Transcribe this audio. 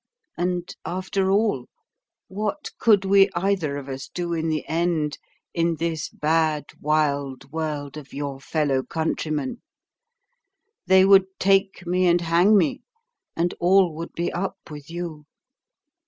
And after all, what could we either of us do in the end in this bad, wild world of your fellow countrymen? They would take me and hang me; and all would be up with you.